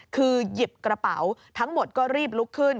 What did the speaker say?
คือหยิบกระเป๋าทั้งหมดก็รีบลุกขึ้น